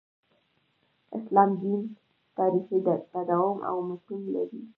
اسلام دین تاریخي تداوم او متون لري.